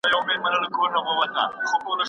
مګر دا مینه یې د دې لپاره ده